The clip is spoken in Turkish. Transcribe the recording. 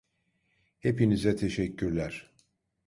Hepinize teşekkürler.